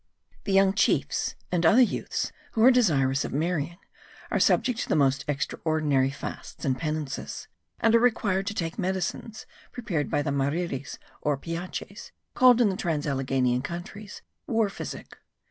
The young chiefs and other youths who are desirous of marrying, are subject to the most extraordinary fasts and penances, and are required to take medicines prepared by the marirris or piaches, called in the transalleghenian countries, war physic.